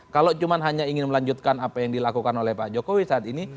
kalau cuma hanya ingin melanjutkan apa yang dilakukan oleh pak jokowi saat ini